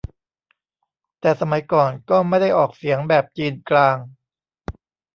แต่สมัยก่อนก็ไม่ได้ออกเสียงแบบจีนกลาง